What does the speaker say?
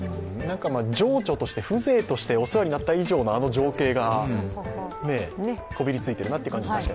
情緒として、風情として、お世話になった以上のあの情景がこびりついているなと。